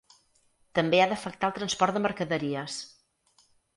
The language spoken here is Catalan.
També ha d’afectar el transport de mercaderies.